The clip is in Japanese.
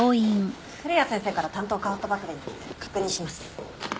古谷先生から担当代わったばかりなので確認します。